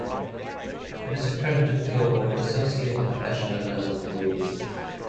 It is accredited to award Associate and Bachelor-level degrees.